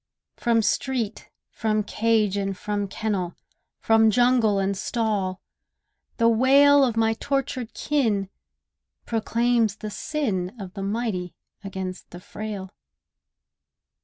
From street, from cage, and from kennel, From jungle and stall, the wail Of my tortured kin proclaims the sin Of the mighty against the frail.